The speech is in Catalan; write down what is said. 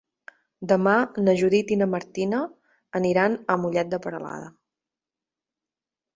Demà na Judit i na Martina aniran a Mollet de Peralada.